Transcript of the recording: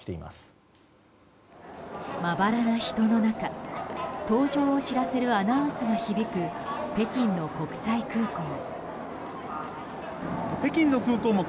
まばらな人の中搭乗を知らせるアナウンスが響く北京の国際空港。